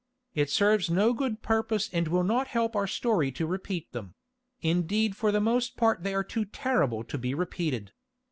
It serves no good purpose and will not help our story to repeat them; indeed for the most part they are too terrible to be repeated.